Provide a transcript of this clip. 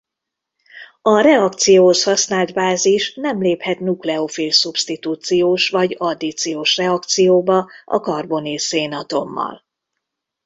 A reakcióhoz használt bázis nem léphet nukleofil szubsztitúciós vagy addíciós reakcióba a karbonil szénatommal.